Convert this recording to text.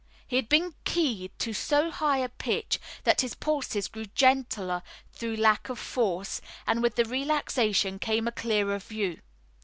He had been keyed to so high a pitch that his pulses grew gentler through very lack of force, and with the relaxation came a clearer view.